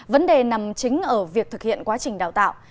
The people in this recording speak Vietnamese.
vấn đề nằm chính ở việc thực hiện quá trình đào tạo